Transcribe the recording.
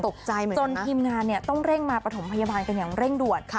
จะสนตกใจเหมือนกันนะจนทีมงานเนี่ยต้องเร่งมาปฐมพยาบาลกันอย่างเร่งด่วน